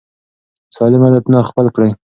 سالم عادتونه خپل کړئ.